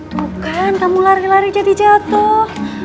tuh kan kamu lari lari jadi jatuh